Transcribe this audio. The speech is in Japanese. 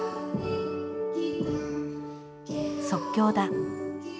即興だ。